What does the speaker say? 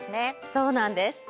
そうなんです。